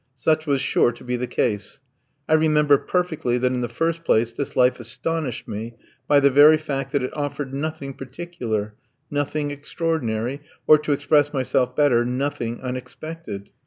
Such was sure to be the case. I remember perfectly that in the first place this life astonished me by the very fact that it offered nothing particular, nothing extraordinary, or to express myself better, nothing unexpected.